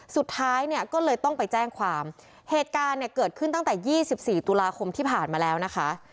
สุดท้ายเนี่ยก็เลยต้องไปแจ้งความเหตุการณ์เนี่ยเกิดขึ้นตั้งแต่๒๔ตุลาคมที่ผ่านมาแล้วนะคะ